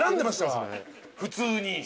普通に。